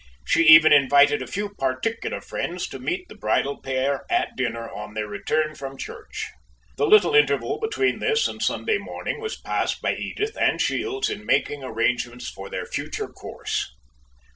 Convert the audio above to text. She even invited a few particular friends to meet the bridal pair at dinner, on their return from church. The little interval between this and Sunday morning was passed by Edith and Shields in making arrangements for their future course.